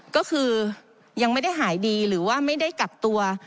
ก็คือยังไม่ได้หายดีหรือว่าไม่ได้กักตัว